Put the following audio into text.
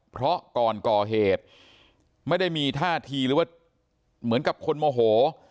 เพราะก่อนก่อเหตุไม่ได้มีท่าทีหรือว่าเหมือนกับคนโมโห